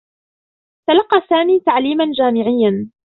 تلقّى سامي تعليما جامعيّا.